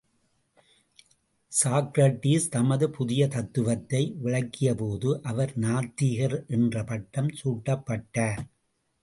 Socrates தமது புதிய தத்துவத்தை, விளக்கியபோது அவர் நாத்திகர் என்ற பட்டம் சூட்டப்பட்டார்.